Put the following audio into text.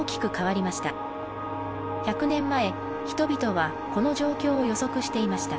１００年前人々はこの状況を予測していました。